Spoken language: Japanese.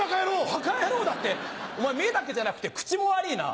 「バカ野郎」だってお前目だけじゃなくて口も悪ぃな。